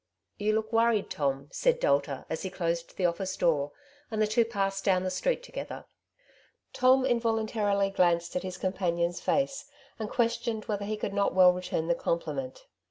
'' You look worried, Tom,'' said Delta as he closed the oflSce door, and the two passed down the street together. Tom involuntarily glanced at his com panion's face, and questioned whether he could not well return the compliment.